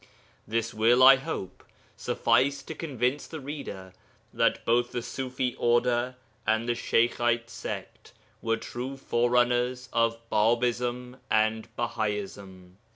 This will, I hope, suffice to convince the reader that both the Ṣufi Order and the Sheykhite Sect were true forerunners of Bābism and Bahaism.